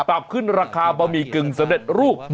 ปรับขึ้นราคาบะหมี่กึ่งสำเร็จรูป